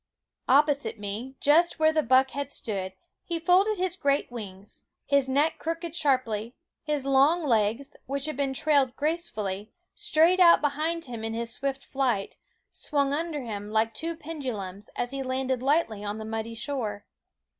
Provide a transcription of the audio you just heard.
Opposite me, just where the buck had stood, he folded his great wings; his neck crooked sharply; his long legs, which had been trailed gracefully, straight out behind him in his swift flight, swung under him like two pendulums as he landed lightly on the muddy shore.